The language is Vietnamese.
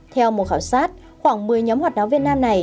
theo một khảo sát khoảng một mươi nhóm hoạt nạ viên nữ